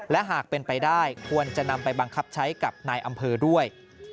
และหากเป็นไปได้ควรจะนำไปบังคับใช้กับนายอำเภอด้วย